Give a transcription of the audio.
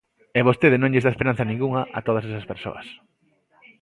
E vostede non lles dá esperanza ningunha a todas esas persoas.